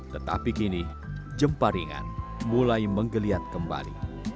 tetapi kini jempa ringan mulai menggeliat kembali